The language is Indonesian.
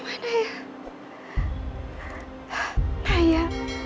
apa aku tahu ayah aja ya